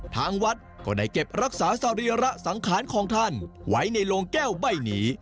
ทางวัดก็ได้เก็บรักษาสรีระสังขารของท่านไว้ในโลงแก้วใบนี้